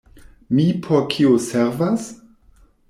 Mi por kio servas?